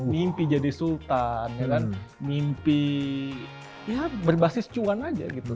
mimpi jadi sultan mimpi ya berbasis cuan aja gitu